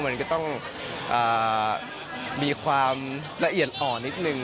มันก็ต้องมีความละเอียดอ่อนนิดนึง